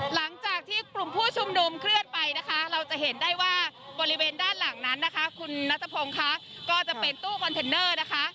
หลังจากที่กลุ่มผู้ชุมนุมเคลื่อนไปนะคะเราจะเห็นได้ว่าบริเวณด้านหลังนั้นนะคะคุณนัทพงศ์ค่ะก็จะเป็นตู้คอนเทนเนอร์นะคะ